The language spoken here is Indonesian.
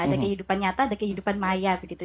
ada kehidupan nyata ada kehidupan maya begitu